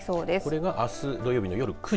これが、あす土曜日の夜９時。